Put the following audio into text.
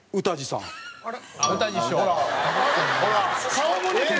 顔も似てる。